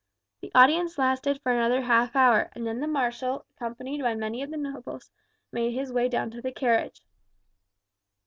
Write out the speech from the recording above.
The audience lasted for another half hour, and then the marshal, accompanied by many of the nobles, made his way down to his carriage.